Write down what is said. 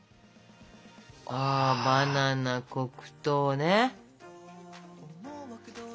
バナナ黒糖ね。